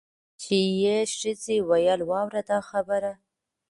چي یې ښځي ویل واوره دا خبره